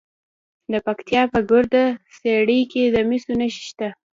د پکتیا په ګرده څیړۍ کې د مسو نښې شته.